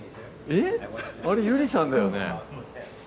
えっあれゆりさんだよね